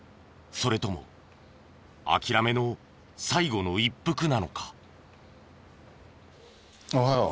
それとも諦めの最後の一服なのか？